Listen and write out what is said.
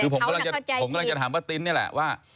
คือผมกำลังจะถามป้าติ้นนี่แหละว่า